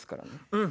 うん。